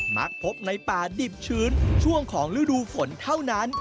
มักพบในป่าดิบชื้นช่วงของฤดูฝนเท่านั้น